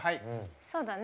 そうだね。